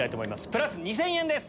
プラス２０００円です。